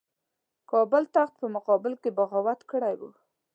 کابل تخت په مقابل کې بغاوت کړی وو.